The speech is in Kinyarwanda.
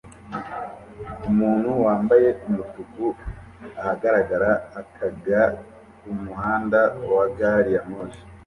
Umuntu wambaye umutuku ahagarara akaga kumuhanda wa gari ya moshi